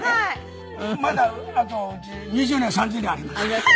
まだあとうち２０年３０年あります。